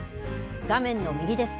画面の右です。